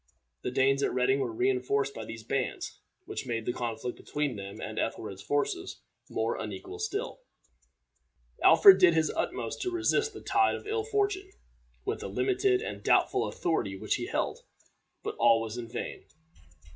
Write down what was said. The Danes at Reading were re enforced by these bands, which made the conflict between them and Ethelred's forces more unequal still. Alfred did his utmost to resist the tide of ill fortune, with the limited and doubtful authority which he held; but all was in vain.